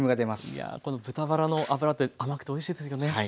いやこの豚バラの脂って甘くておいしいですよね。